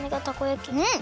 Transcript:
うん！